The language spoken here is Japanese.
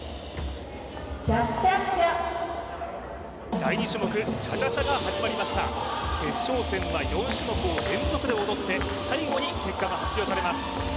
第２種目チャチャチャが始まりました決勝戦は４種目を連続で踊って最後に結果が発表されます